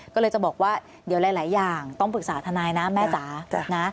ก็เลยจะบอกว่าเดี๋ยวหลายอย่างต้องปรึกษาทนายนะแม่จ๋านะ